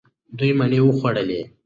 دوی مڼې وخوړلې.